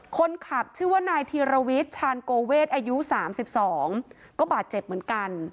คนขับชื่อว่านายธีรวิทย์ชาญโกเวทอายุ๓๒ก็บาดเจ็บเหมือนกัน